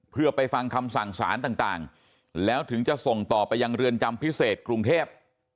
เพื่อไปฟังคำสั่งสารต่างแล้วถึงจะส่งต่อไปยังเรือนจำพิเศษกรุงเทพ